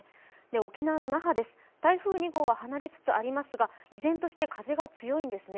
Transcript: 沖縄の那覇です、台風２号は離れつつありますが依然として風が強いんですね